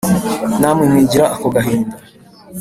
Na mwe mwigira ako gahinda